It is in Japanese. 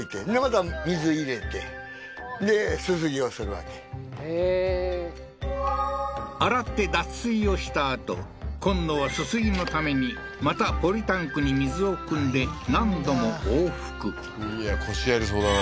ほんでへえー洗って脱水をしたあと今度はすすぎのためにまたポリタンクに水をくんで何度も往復いや腰やりそうだな